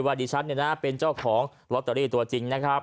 วันนี้ฉันเนี่ยนะเป็นเจ้าของล็อตเตอรี่ตัวจริงนะครับ